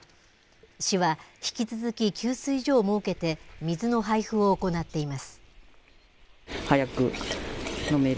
市は、引き続き給水所を設けて水の配布を行っています。